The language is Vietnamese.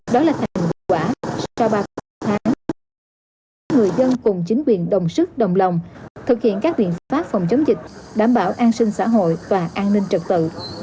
đó là thành hiệu quả sau ba mươi tháng người dân cùng chính quyền đồng sức đồng lòng thực hiện các biện pháp phòng chống dịch đảm bảo an sinh xã hội và an ninh trật tự